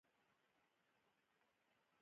ایا سر مو خارښ کوي؟